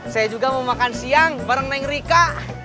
saya juga mau makan siang bareng neng rika